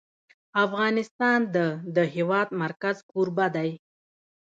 افغانستان د د هېواد مرکز کوربه دی.